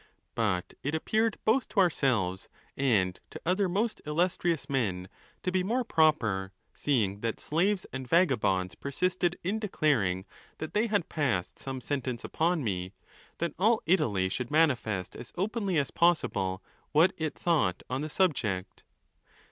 But it appeared both to ourselves, and to other most illustrious men, to be more pro per, seeing that slaves and vagabonds persisted in declaring that they had passed some sentence upon me, that all Italy should manifest as openly as possible what it thought on the subject.